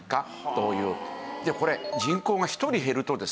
これ人口が１人減るとですね